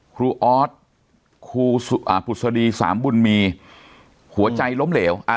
ออสครูปุษฎีสามบุญมีหัวใจล้มเหลว